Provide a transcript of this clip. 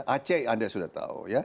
aceh anda sudah tahu